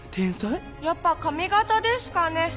やっぱ髪型ですかね？